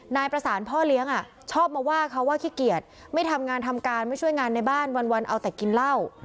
นายประสานพ่อเลี้ยงชอบมาว่าเขาว่าขี้เกียจไม่ทำงานทำการไม่ช่วยงานในบ้านวันเอาแต่กินเหล้า